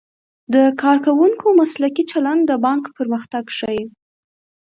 د کارکوونکو مسلکي چلند د بانک پرمختګ ښيي.